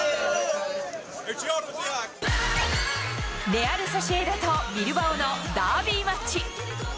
レアル・ソシエダとビルバオのダービーマッチ。